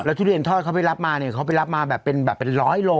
ทุเรียนทอดเขาไปรับมาเนี่ยเขาไปรับมาแบบเป็นแบบเป็นร้อยโล